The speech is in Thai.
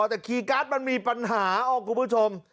แต่คีย์การ์ดมันมีปัญหาคุณผู้ชม